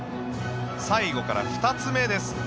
最後から２つ目です。